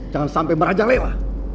jangan sampai meraja lewa